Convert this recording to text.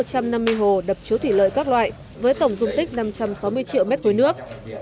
có một trăm năm mươi hồ đập chứa thủy lợi các loại với tổng dung tích năm trăm sáu mươi triệu m ba nước